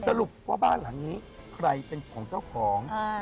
สรุปว่าบ้านหลังนี้ใครเป็นของเจ้าของ